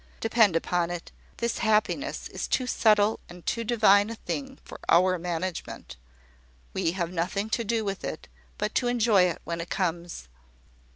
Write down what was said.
Depend upon it, this happiness is too subtle and too divine a thing for our management. We have nothing to do with it but to enjoy it when it comes.